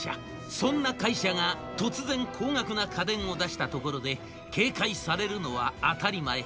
そんな会社が突然高額な家電を出したところで警戒されるのは当たり前。